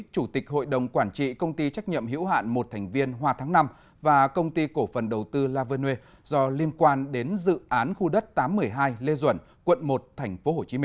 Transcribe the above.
chủ tịch hội đồng quản trị công ty trách nhiệm hiểu hạn một thành viên hoa tháng năm và công ty cổ phần đầu tư laver do liên quan đến dự án khu đất tám trăm một mươi hai lê duẩn quận một tp hcm